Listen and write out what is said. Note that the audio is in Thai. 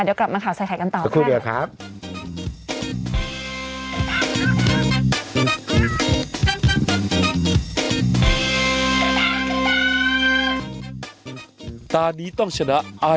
เดี๋ยวกลับมาข่าวใส่ไข่กันต่อค่ะ